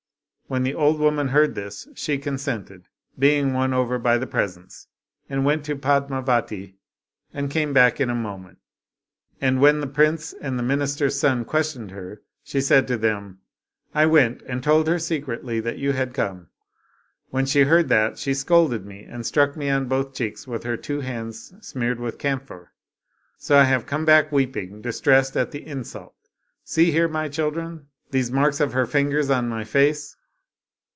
" When the old woman heard this, she consented, being won over by the presents, and went to Padmavati, and came back in a moment. And when the prince and the minister's son questioned her, she said to them, " I went and told her secretly that you had come. When she heard that, she scolded me, and struck me on both cheeks with her two hands smeared with camphor. So I have come back weeping, distressed at the insult. See here, my children, these marks of her fingers on my face."